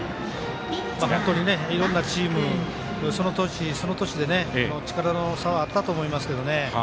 本当にいろんなチームその年、その年で力の差はあったと思いますけどね。